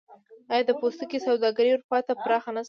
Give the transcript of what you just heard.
آیا د پوستکي سوداګري اروپا ته پراخه نشوه؟